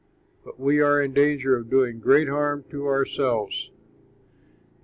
But we are in danger of doing great harm to ourselves?"